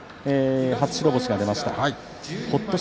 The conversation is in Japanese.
荒篤山初白星が出ました。